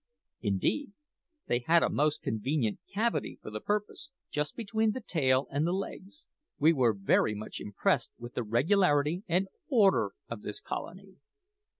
Indeed, they had a most convenient cavity for the purpose, just between the tail and the legs. We were very much impressed with the regularity and order of this colony.